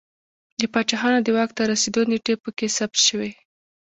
د پاچاهانو د واک ته رسېدو نېټې په کې ثبت شوې